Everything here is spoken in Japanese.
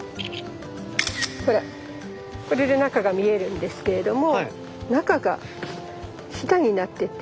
ほらこれで中が見えるんですけれども中がひだになってて。